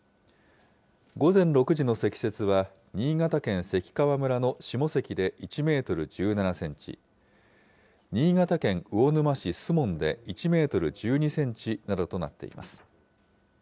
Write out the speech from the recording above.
午前６時の積雪は、新潟県関川村の下関で１メートル１７センチ、新潟県魚沼市守門で１メートル１２センチなどとなっています。